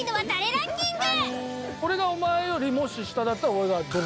ランキング。